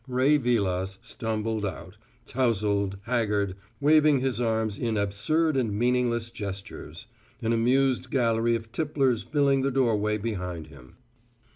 Ray Vilas stumbled out, tousled, haggard, waving his arms in absurd and meaningless gestures; an amused gallery of tipplers filling the doorway behind him.